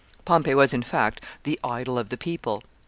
Pompey was, in fact, the idol of the people.